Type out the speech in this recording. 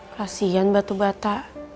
kasian batu bata